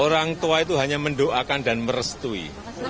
orang tua itu hanya mendoakan dan merestui